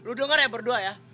lu denger ya berdua ya